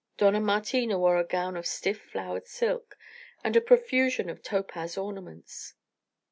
Dona Martina wore a gown of stiff flowered silk and a profusion of topaz ornaments.